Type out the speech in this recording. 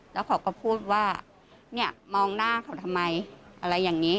แล้วเขาก็พูดว่าเนี่ยมองหน้าเขาทำไมอะไรอย่างนี้